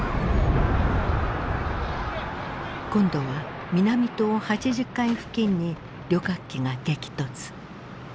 今度は南棟８０階付近に旅客機が激突。